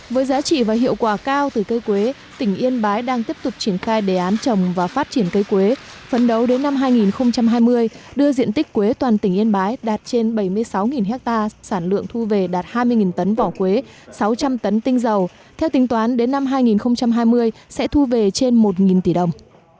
với giá trị và hiệu quả cao từ cây quế tỉnh yên bái đang tiếp tục triển khai đề án trồng và phát triển cây quế phấn đấu đến năm hai nghìn hai mươi đưa diện tích quế toàn tỉnh yên bái đạt trên bảy mươi sáu ha sản lượng thu về đạt hai mươi tấn vỏ quế sáu trăm linh tấn tinh dầu theo tính toán đến năm hai nghìn hai mươi sẽ thu về trên một tỷ đồng